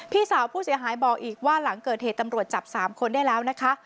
พี่สาวผู้เสียหายบอกอีกว่าหลังเกิดเหตุตำรวจจับ๓คนได้แล้วนะคะ